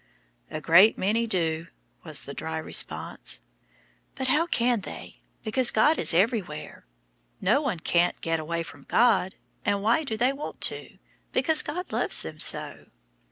"A great many do," was the dry response. "But how can they? Because God is everywhere. No one can't get away from God, and why do they want to? Because God loves them so."